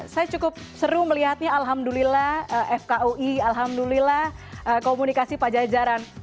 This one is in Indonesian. saya cukup seru melihatnya alhamdulillah fkui alhamdulillah komunikasi pajajaran